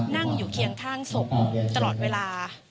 นั่งอยู่เคียงข้างศพตลอดเวลา